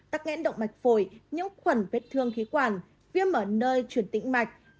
tắc nghẽn động mạch phổi nhiễm khuẩn vết thương khí quản viêm ở nơi chuyển tĩnh mạch